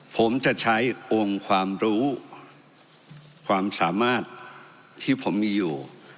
ผมจะใช้องค์ความรู้ความสามารถที่ผมมีอยู่